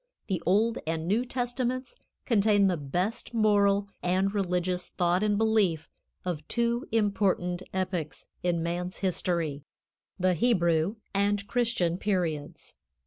The Old and New Testaments contain the best moral and religious thought and belief of two important epochs in man's history the Hebrew and Christian periods.